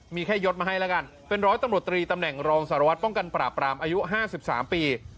มีแค่ยดมาให้แล้วกันเป็นร้อยตำรวจตรีตำแหน่งรองสารวัตรป้องกันปราบรามอายุ๕๓ปี